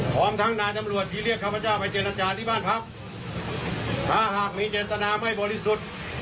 พร้อมทั้งนายตำรวจที่เรียกข้าพเจ้าไปเจรจาที่บ้านพักถ้าหากมีเจตนาไม่บริสุทธิ์